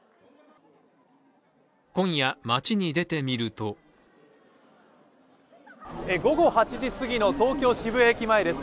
今夜、街に出てみると午後８時すぎの東京・渋谷駅前です。